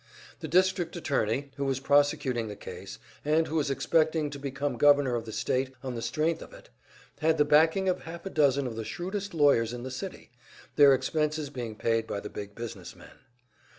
The district attorney, who was prosecuting the case, and who was expecting to become governor of the state on the strength of it, had the backing of half a dozen of the shrewdest lawyers in the city, their expenses being paid by the big business men.